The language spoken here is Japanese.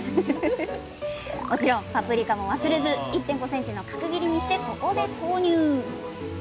もちろんパプリカも忘れず１．５ｃｍの角切りにしてここで投入！